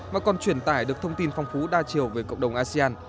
mà còn truyền tải được thông tin phong phú đa chiều về cộng đồng asean